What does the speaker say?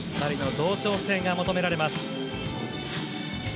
２人の同調性が求められます。